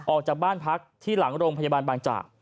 ออกจากบ้านพักที่หลังโรงพยาบาลบางจาก